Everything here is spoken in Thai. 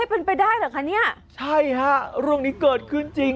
เป็นไปได้เหรอคะเนี่ยใช่ฮะเรื่องนี้เกิดขึ้นจริง